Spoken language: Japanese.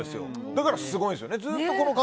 だからすごいんですよね。